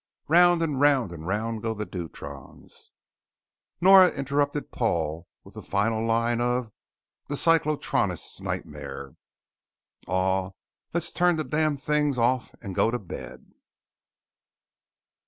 Round and round and round go the deuterons_ " Nora interrupted Paul with the final line of The Cyclotronist's Nightmare: "_Aw, let's turn the damned thing off and go to bed!